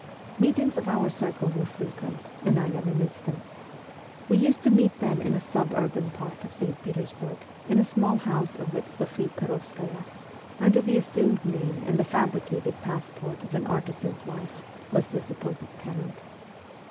Meetings of our circle were frequent, and I never missed them. We used to meet then in a suburban part of St. Petersburg, in a small house of which Sophie Perovskaya, under the assumed name and the fabricated passport of an artisan's wife, was the sup posed tenant.